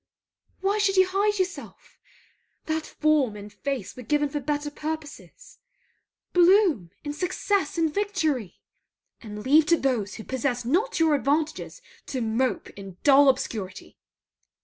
Why should you hide yourself? That form and face were given for better purposes. Bloom in success and victory! And leave to those who possess not your advantages to mope in dull obscurity!